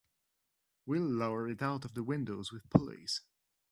We'll lower it out of the window with pulleys.